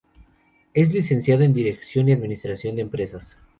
Es Licenciado en Dirección y Administración de Empresas.